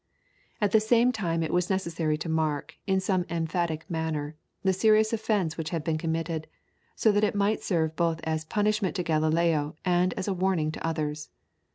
At the same time it was necessary to mark, in some emphatic manner, the serious offence which had been committed, so that it might serve both as a punishment to Galileo and as a warning to others.